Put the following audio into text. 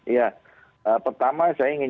ya pertama saya ingin